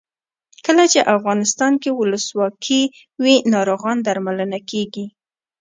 کله چې افغانستان کې ولسواکي وي ناروغان درملنه کیږي.